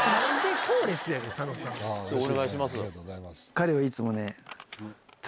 彼はいつもね。